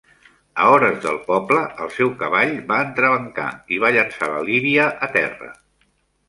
A hores del poble, el seu cavall va entrebancar i va llençar la Livia a terra.